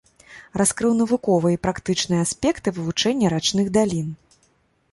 Раскрыў навуковыя і практычныя аспекты вывучэння рачных далін.